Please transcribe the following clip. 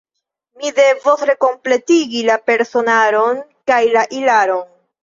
Mi devos rekompletigi la personaron kaj la ilaron.